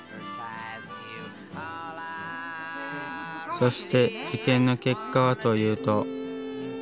そして受験の結果はというと。